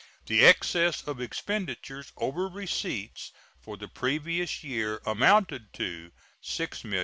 The excess of expenditures over receipts for the previous year amounted to $6,437,992.